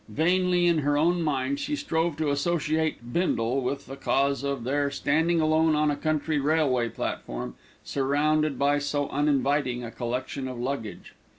Vainly in her own mind she strove to associate Bindle with the cause of their standing alone on a country railway platform, surrounded by so uninviting a collection of luggage.